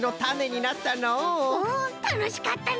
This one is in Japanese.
うんたのしかったね！